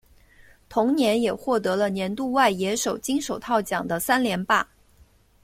同年也获得了年度外野手金手套奖的三连霸。